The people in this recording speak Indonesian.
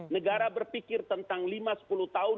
negara berpikir tentang lima sepuluh tahun